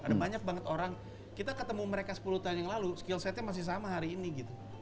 ada banyak banget orang kita ketemu mereka sepuluh tahun yang lalu skill setnya masih sama hari ini gitu